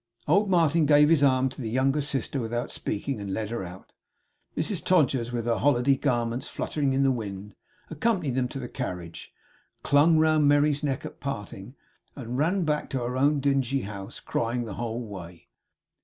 Old Martin gave his arm to the younger sister without speaking; and led her out. Mrs Todgers, with her holiday garments fluttering in the wind, accompanied them to the carriage, clung round Merry's neck at parting, and ran back to her own dingy house, crying the whole way.